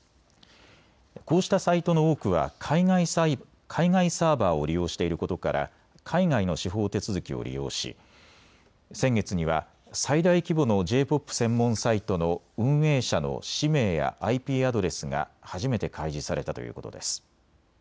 こうしたサイトの多くは海外サーバーを利用していることから海外の司法手続きを利用し先月には最大規模のＪ−ＰＯＰ専門サイトの運営者の氏名やＩＰアドレスが初めて開示されたということです。